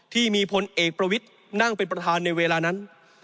ที่มีพลเอกประวิทย์นั่งเป็นประธานในเวลานั้น